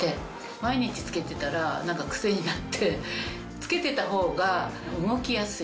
毎日着けてたら何か癖になって着けてた方が動きやすい。